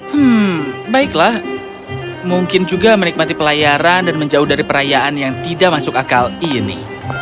hmm baiklah mungkin juga menikmati pelayaran dan menjauh dari perayaan yang tidak masuk akal ini